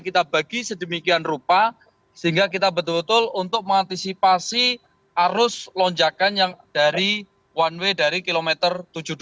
kita bagi sedemikian rupa sehingga kita betul betul untuk mengantisipasi arus lonjakan yang dari one way dari kilometer tujuh puluh dua